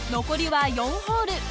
残りは４ホール。